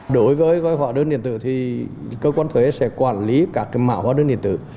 đối với hóa đơn điện tử thì cơ quan thuế sẽ quản lý các mã hóa đơn điện tử